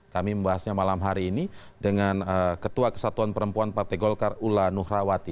kami membahasnya malam hari ini dengan ketua kesatuan perempuan partai golkar ula nuhrawati